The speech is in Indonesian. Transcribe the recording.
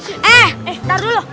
eh eh ntar dulu